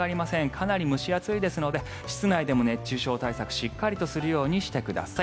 かなり蒸し暑いので室内でも熱中症対策しっかりとするようにしてください。